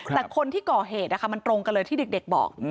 แต่คนที่ก่อเหตุมันตรงกันเลยที่เด็กบอก